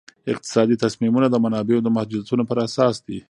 اقتصادي تصمیمونه د منابعو د محدودیتونو پر اساس دي.